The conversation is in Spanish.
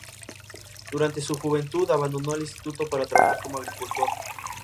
Muhammad I al-Rashid fue proclamado bey.